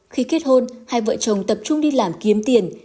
khi kết hôn hai vợ chồng tập trung đi làm kiếm tiền